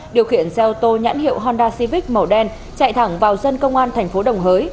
điều khiển xe ô tô nhãn hiệu honda civic màu đen chạy thẳng vào dân công an tp đồng hới